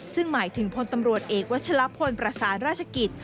ซึ่งหมายถึงพลตำรวจเอกวัชลพลประสานราชกิจ